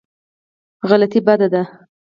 غلطي بد دی.